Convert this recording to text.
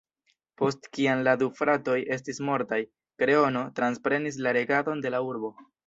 Post kiam la du fratoj estis mortaj, "Kreono" transprenis la regadon de la urbo.